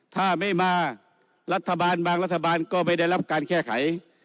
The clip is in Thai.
ถ้าไม่มารัฐบาลบางรัฐบาลก็ไม่ได้รับการแก้ไข